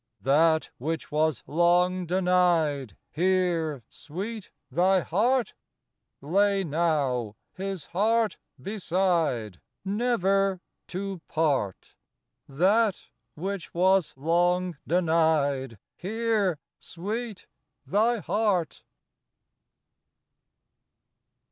That which was long denied Here, Sweet, thy heart Lay now his heart beside, Never to part. That which was long denied Here, Sweet, thy heart.